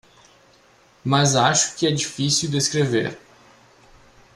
Mas acho que é difícil descrever